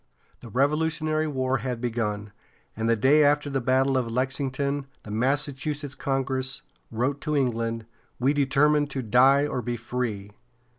The Revolutionary War had begun, and the day after the battle of Lexington the Massachusetts Congress wrote to England: "We determine to die or be free."